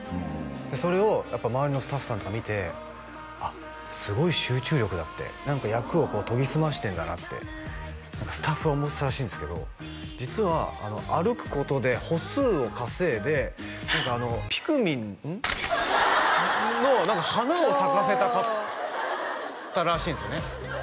でそれを周りのスタッフさんとか見てあっすごい集中力だって何か役を研ぎ澄ましてんだなってスタッフは思ってたらしいんですけど実は歩くことで歩数を稼いでピクミン？の花を咲かせたかったらしいんですよね